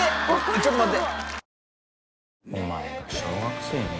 ちょっと待って。